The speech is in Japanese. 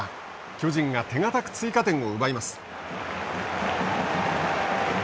巨人が手堅く追加点を奪います。